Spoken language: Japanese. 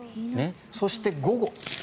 そして午後。